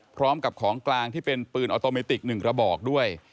พร้อมกับของกลางที่เป็นปืนออโตเมติก๑กระบอกด้วย